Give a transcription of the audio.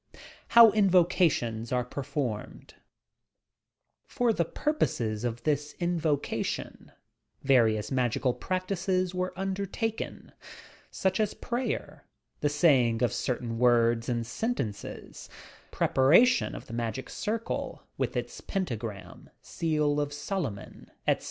HOW INVOCATIONS ARE PERFORMED For the purposes of this invocation, various ma^cal practices were undertaken, such as prayer, the saying of certain words and sentences, preparation of the magic circle, with its pentagram, seal of Solomon, etc.